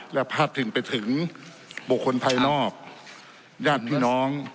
และพาดพิงไปถึงบุคคลภายนอกญาติพี่น้อง